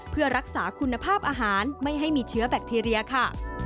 เพื่อรักษาคุณภาพอาหารไม่ให้มีเชื้อแบคทีเรียค่ะ